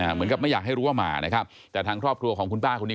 เหมือนกับไม่อยากให้รู้ว่ามานะครับแต่ทางครอบครัวของคุณป้าคนนี้